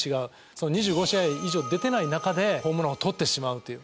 その２５試合以上出てない中でホームラン王を取ってしまうという。